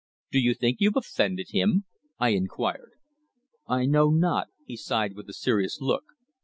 "Do you think you've offended him?" I inquired. "I know not," he sighed with a serious look.